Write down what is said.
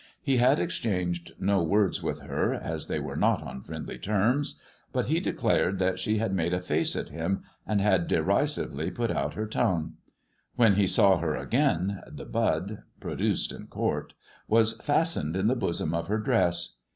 He had exchanged no words with her, as they were not on friendly terms, but he declared that she had made a face at him, and had derisively put out her tongue. When he saw her again, the bud — produced in court — was fastened in the bosom of her dress.